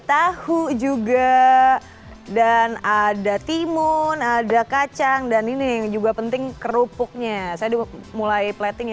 tahu juga dan ada timun ada kacang dan ini juga penting kerupuknya saya mulai plating